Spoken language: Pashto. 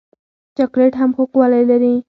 چاکلېټ هم خوږوالی لري.